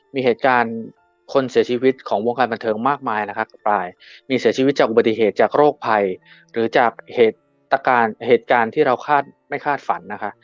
มีเหตุการณ์คนเสียชีวิตของวงการบันเทิงมากมายนะครับปลายมีเสียชีวิตจากอุบัติเหตุจากโรคภัยหรือจากเหตุการณ์เหตุการณ์ที่เราคาดไม่คาดฝันนะคะ